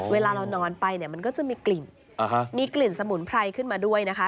เวลาเรานอนไปเนี่ยมันก็จะมีกลิ่นมีกลิ่นสมุนไพรขึ้นมาด้วยนะคะ